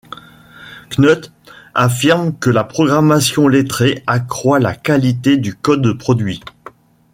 Knuth affirme que la programmation lettrée accroît la qualité du code produit.